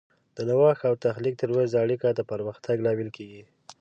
د نوښت او تخلیق ترمنځ اړیکه د پرمختګ لامل کیږي.